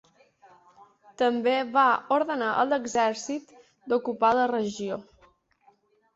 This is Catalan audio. També va ordenar a l’exèrcit d’ocupar la regió.